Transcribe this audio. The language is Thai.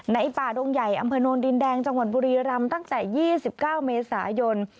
ในป่าดงใหญ่อำเภนนท์ดินแดงจังหวันบุรีรัมตั้งแต่ยี่สิบเก้าเมษายน